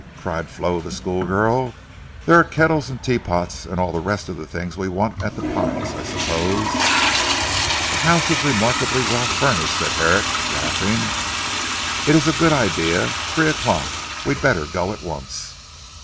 cried Flo the schoolgirl, "there are kettles and tea pots and all the rest of the things we want at 'The Pines' I suppose?" "The house is remarkably well furnished," said Herrick laughing. "It is a good idea; three o'clock. We had better go at once."